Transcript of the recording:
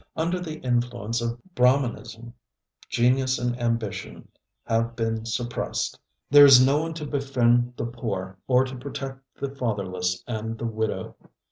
Under the influence of Brahminism genius and ambition have been suppressed. There is no one to befriend the poor or to protect the fatherless and the widow.